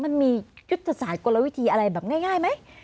มันมียุทธศาสตร์กลวิธีอะไรแบบง่ายไหม